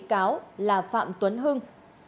cáo là phạm tuấn hưng